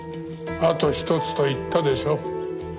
「あと一つ」と言ったでしょ。